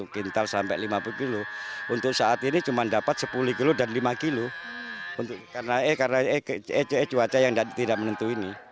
karena cuaca yang tidak menentu ini